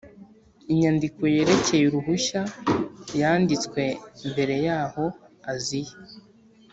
Inyandiko yerekeye uruhushya yanditswe mbere yaho aziye